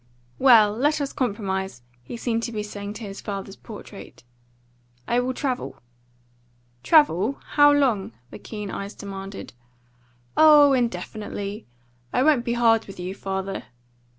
"Well let us compromise," he seemed to be saying to his father's portrait. "I will travel." "Travel? How long?" the keen eyes demanded. "Oh, indefinitely. I won't be hard with you, father."